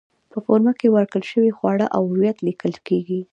په فورمه کې ورکړل شوي خواړه او هویت لیکل کېږي.